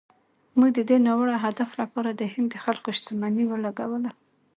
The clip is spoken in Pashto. موږ د دې ناوړه هدف لپاره د هند د خلکو شتمني ولګوله.